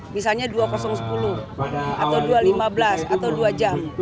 misalnya dua ratus sepuluh atau dua ratus lima belas atau dua jam